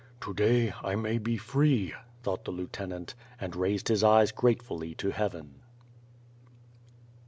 "To day I may be free," thought the lieutenant, and raised his eyes gratefully to heaven.